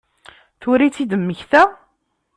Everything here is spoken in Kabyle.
Tura i tt-id-temmekta?